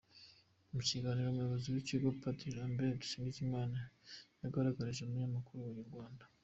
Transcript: Mu kiganiro n’umuyobozi w’ikigo, Padiri Lambert Dusingizimana, yagaragarije umunyamakuru wa Inyarwanda.